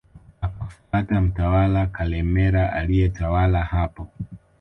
Akafuata mtawala Kalemera aliyetawala hapo